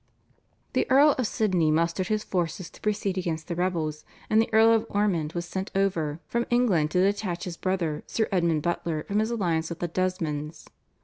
The Earl of Sidney mustered his forces to proceed against the rebels, and the Earl of Ormond was sent over from England to detach his brother Sir Edmund Butler from his alliance with the Desmonds.